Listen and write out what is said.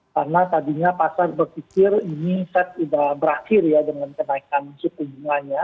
karena tadinya pasar berpikir ini set sudah berakhir ya dengan kenaikan suku bunganya